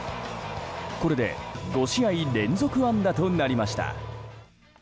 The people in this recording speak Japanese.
これで５試合連続安打となりました。